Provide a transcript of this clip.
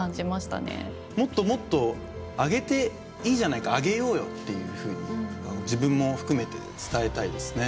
もっともっと上げていいじゃないか上げようよっていうふうに自分も含めて伝えたいですね。